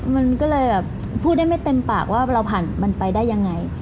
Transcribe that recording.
มันก็เลยแบบพูดได้ไม่เต็มปากว่าเราผ่านมันไปได้ยังไง